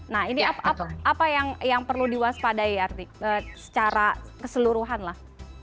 nah ini apa yang perlu diwaspadai secara keseluruhan lah